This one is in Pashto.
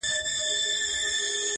اوس خورا په خړپ رپيږي ورځ تېرېږي!